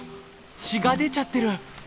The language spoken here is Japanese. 血が出ちゃってる。